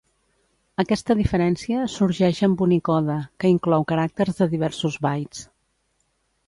Aquesta diferència sorgeix amb Unicode, que inclou caràcters de diversos bytes.